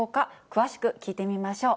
詳しく聞いてみましょう。